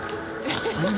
何？